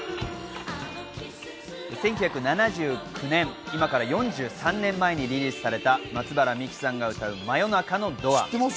１９７９年、今から４３年前にリリースされた松原みきさんの歌う『真夜中のドア』。